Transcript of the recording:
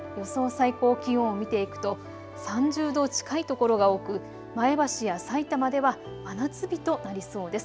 最高気温を見ていくと３０度近い所が多く前橋やさいたまでは真夏日となりそうです。